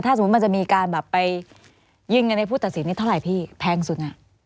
ถ้ามีการยิงในผู้ตัดสินเท่าไหร่พี่แพงสุด